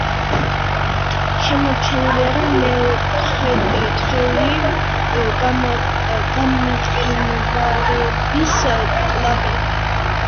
შემორჩენილია მეოთხეული გამყინვარების კვალი.